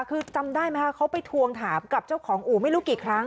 คือจำได้ไหมคะเขาไปทวงถามกับเจ้าของอู่ไม่รู้กี่ครั้ง